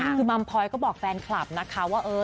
คือมัมพลอยก็บอกแฟนคลับนะคะว่า